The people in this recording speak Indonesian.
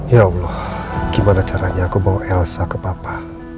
ya allah gimana caranya aku bawa elsa ke papa